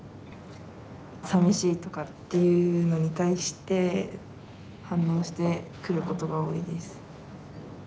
さみしいとかっていうのに対して反応してくることが多いです。